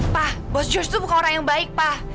pak bos josh tuh bukan orang yang baik pak